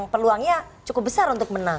peluangnya cukup besar untuk menang